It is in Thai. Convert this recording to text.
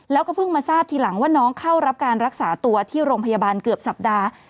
แล้วก็เพิ่งมาทราบทีหลังว่าน้องเข้ารับการรักษาตัวที่โรงพยาบาลเกือบสัปดาห์